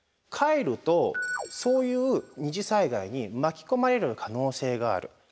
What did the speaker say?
帰るとそういう二次災害に巻き込まれる可能性がある。